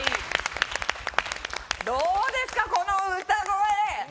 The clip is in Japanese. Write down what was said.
どうですか、この歌声。